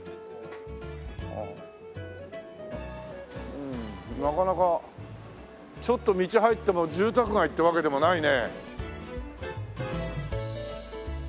うーんなかなかちょっと道に入っても住宅街ってわけでもないね。